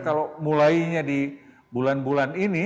kalau mulainya di bulan bulan ini